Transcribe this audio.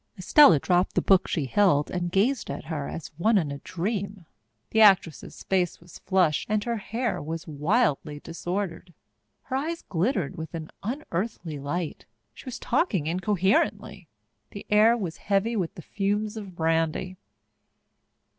Estella dropped the book she held and gazed at her as one in a dream. The actress's face was flushed and her hair was wildly disordered. Her eyes glittered with an unearthly light. She was talking incoherently. The air was heavy with the fumes of brandy.